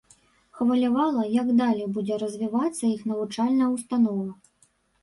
Хвалявала, як далей будзе развівацца іх навучальная ўстанова.